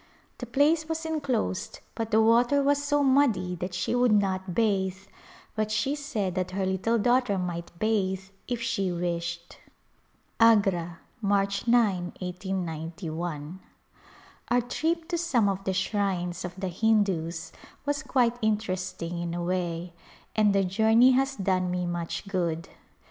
The place was enclosed but the water was so muddy that she would not bathe, but she said that her little daughter might bathe if she wished. Agra^ March p, l8gi. Our trip to some of the shrines of the Hindus was [ 229] A Glimpse of India quite interesting, in a way, and the journey has done me much good.